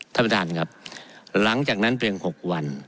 ท่านประธานครับหลังจากนั้นเพียง๖วัน